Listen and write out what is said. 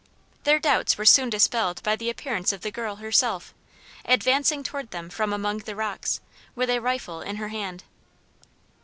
Their doubts were soon dispelled by the appearance of the girl herself, advancing toward them from among the rocks, with a rifle in her hand.